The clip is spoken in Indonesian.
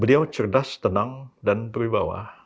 beliau cerdas tenang dan berwibawa